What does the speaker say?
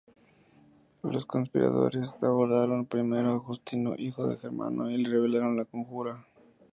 Los conspiradores abordaron primero a Justino, hijo de Germano, y le revelaron la conjura.